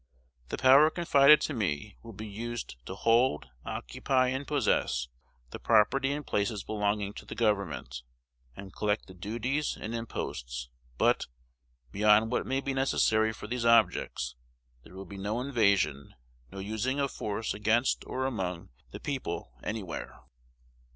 The power confided to me will be used to hold, occupy, and possess the property and places belonging to the government, and collect the duties and imposts; but, beyond what may be necessary for these objects, there will be no invasion, no using of force against or among the people anywhere.